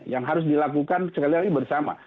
yang harus dilakukan sekali lagi bersama